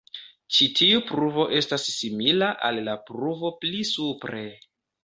Ĉi tiu pruvo estas simila al la pruvo pli supre.